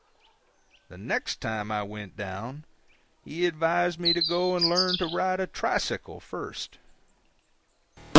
The next time I went down he advised me to go and learn to ride a tricycle first.